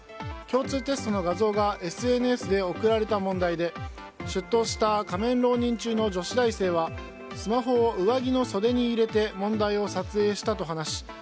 共通テストの画像がＳＮＳで送られた問題で出頭した仮面浪人中の女子大生はスマホを上着の袖に入れて問題を撮影したと話し